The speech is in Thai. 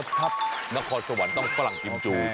อ๋อทัพนครสวรรค์ต้องฝรั่งกิมจู